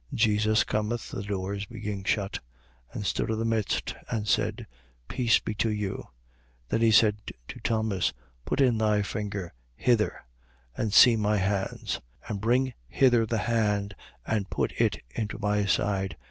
Jesus cometh, the doors being shut, and stood in the midst and said: Peace be to you. 20:27. Then he said to Thomas: Put in thy finger hither and see my hands. And bring hither the hand and put it into my side.